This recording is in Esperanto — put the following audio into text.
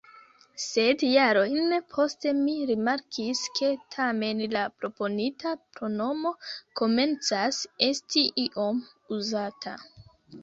Sed jarojn poste mi rimarkis, ke tamen la proponita pronomo komencas esti iom uzata.